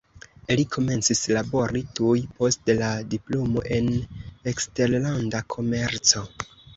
Li komencis labori tuj post la diplomo en eksterlanda komerco.